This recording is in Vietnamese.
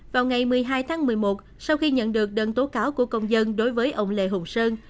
vào ngày một mươi hai tháng một mươi một sau khi nhận được đơn tố cáo của công dân đối với ông lê hùng sơn